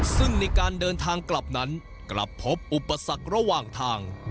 ซึ่งในการเดินทางกลับนั้นกลับพบอุปสรรคระหว่างทาง